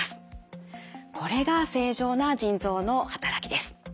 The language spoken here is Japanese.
これが正常な腎臓の働きです。